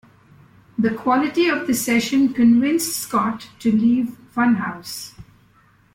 The quality of the session convinced Scott to leave Funhouse.